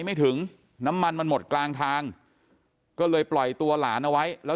ไม่ถึงน้ำมันมันหมดกลางทางก็เลยปล่อยตัวหลานเอาไว้แล้ว